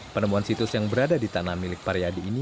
penemuan situs yang berada di tanah milik pariadi ini